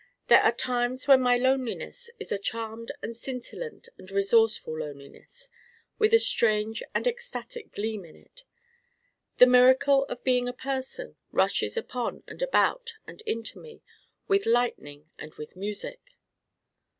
There are times when my Loneliness is a charmed and scintillant and resourceful Loneliness with a strange and ecstatic gleam in it. The miracle of being a person rushes upon and about and into me 'with lightning and with music.